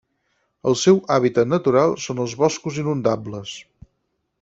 El seu hàbitat natural són els boscos inundables.